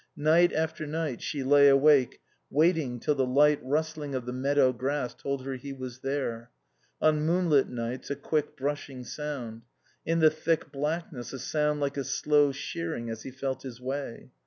Night after night, she lay awake waiting till the light rustling of the meadow grass told her he was there: on moonlit nights a quick brushing sound; in the thick blackness a sound like a slow shearing as he felt his way.